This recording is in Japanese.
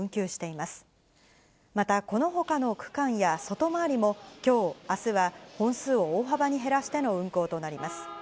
また、このほかの区間や外回りも、きょう、あすは本数を大幅に減らしての運行となります。